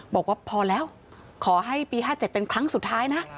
บอกว่าพอแล้วขอให้ปี๕๗เป็นครั้งสุดท้ายนะ